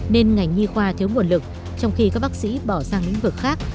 nên ngành nhi khoa thiếu nguồn lực trong khi các bác sĩ bỏ sang lĩnh vực khác